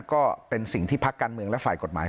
ก็เป็นสิ่งที่พักการเมืองและฝ่ายกฎหมาย